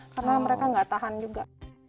karena mereka nggak tahan juga